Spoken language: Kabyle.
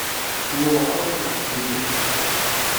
Yewɛeṛ ad awent-d-iniɣ.